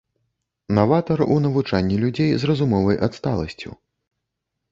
Наватар у навучанні людзей з разумовай адсталасцю.